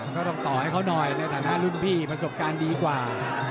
ก็ต้องต่อให้เขาหน่อยในฐานะรุ่นพี่ประสบการณ์ดีกว่า